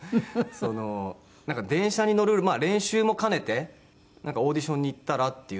その「電車に乗る練習も兼ねてオーディションに行ったら？」って言うので。